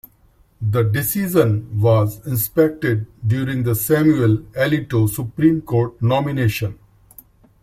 The decision was inspected during the Samuel Alito Supreme Court nomination.